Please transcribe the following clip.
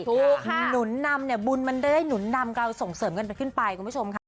หนุนนำเนี่ยบุญมันได้หนุนนำเราส่งเสริมกันไปขึ้นไปคุณผู้ชมค่ะ